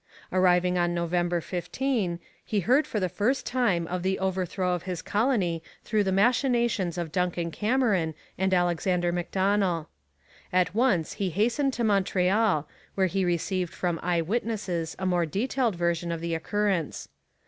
Arriving on November 15, he heard for the first time of the overthrow of his colony through the machinations of Duncan Cameron and Alexander Macdonell. At once he hastened to Montreal, where he received from eye witnesses a more detailed version of the occurrence.